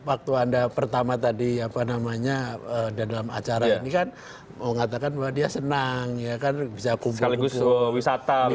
anda pertama tadi apa namanya dalam acara ini kan mau ngatakan bahwa dia senang ya kan bisa kubur kubur